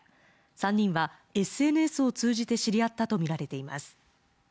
３人はＳＮＳを通じて知り合ったとみられています